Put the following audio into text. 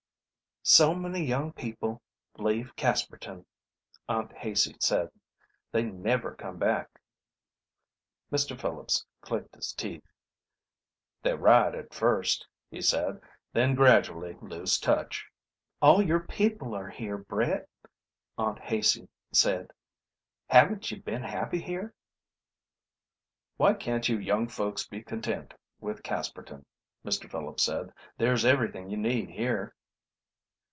"So many young people leave Casperton," Aunt Haicey said. "They never come back." Mr. Phillips clicked his teeth. "They write, at first," he said. "Then they gradually lose touch." "All your people are here, Brett," Aunt Haicey said. "Haven't you been happy here?" "Why can't you young folks be content with Casperton?" Mr. Phillips said. "There's everything you need here."